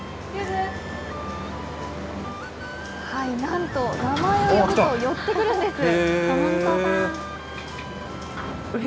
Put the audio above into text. なんと、名前を呼ぶと寄ってくるんです。